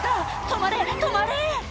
止まれ止まれ！